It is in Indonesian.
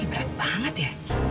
ini berat banget ya